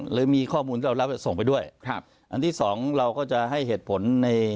หรือมีข้อมูลที่เรารับส่งไปด้วยครับอันที่สองเราก็จะให้เหตุผลใน